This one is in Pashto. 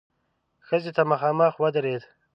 ښځې ته مخامخ ودرېد.